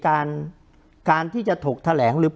คุณลำซีมัน